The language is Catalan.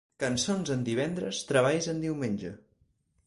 Cançons en divendres, treballs en diumenge.